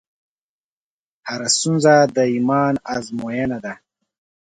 هره ستونزه د ایمان ازموینه ده.